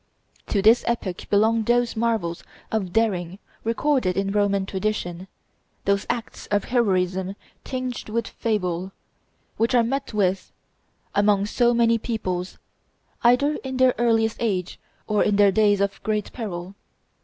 To this epoch belonged those marvels of daring recorded in Roman tradition, those acts of heroism tinged with fable, which are met with amongst so many peoples, either in their earliest age, or in their days of great peril.